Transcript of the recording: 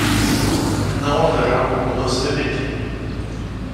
Não haverá uma mudança repentina